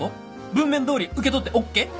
文面通り受け取って ＯＫ？